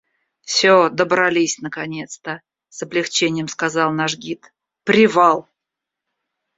— Всё, добрались наконец-то, — с облегчением сказал наш гид, — привал!